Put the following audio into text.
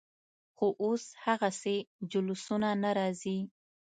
خو اوس هغسې جلوسونه نه راځي.